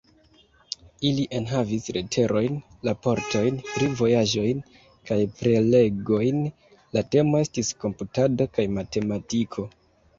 Ili enhavis leterojn, raportojn pri vojaĝojn, kaj prelegojn; la temo estis komputado kaj matematiko.